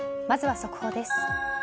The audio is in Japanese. まずは速報です。